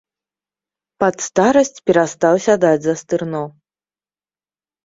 Пад старасць перастаў сядаць за стырно.